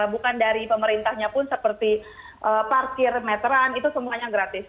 bukan dari pemerintahnya pun seperti parkir meteran itu semuanya gratis